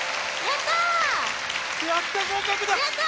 やった！